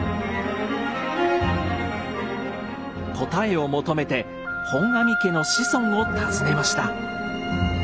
答えを求めて本阿弥家の子孫を訪ねました。